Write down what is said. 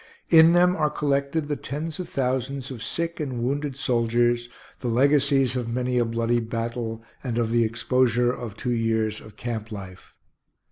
In them are collected the tens of thousands of sick and wounded soldiers, the legacies of many a bloody battle and of the exposure of two years of camp life.